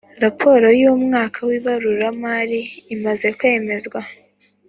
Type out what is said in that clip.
raporo yumwaka wibaruramari imaze kwemezwa